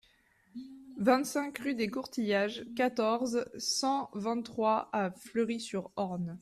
vingt-cinq rue des Courtillages, quatorze, cent vingt-trois à Fleury-sur-Orne